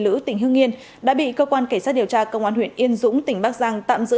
nữ tỉnh hưng yên đã bị cơ quan cảnh sát điều tra công an huyện yên dũng tỉnh bắc giang tạm giữ